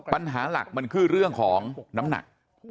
ปัญหาหลักมันคือเรื่องของน้ำหนัก